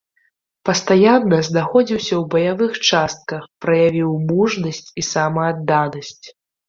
Пастаянна знаходзіўся ў баявых частках, праявіў мужнасць і самаадданасць.